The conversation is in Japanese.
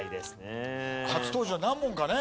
初登場何問かね。